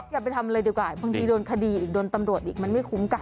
อย่าไปทำเลยดีกว่าบางทีโดนคดีอีกโดนตำรวจอีกมันไม่คุ้มกัน